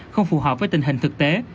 không phù hợp với tình hình thực tế